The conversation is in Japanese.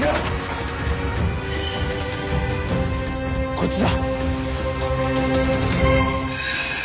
こっちだ！